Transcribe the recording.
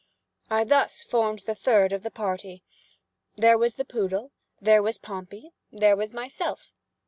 I thus formed the third of the party. There was the poodle. There was Pompey. There was myself.